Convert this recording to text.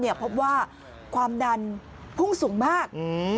เพราะว่าความดันพุ่งสูงมาก๑๘๘